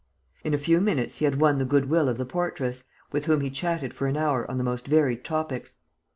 In a few minutes, he had won the good will of the portress, with whom he chatted for an hour on the most varied topics.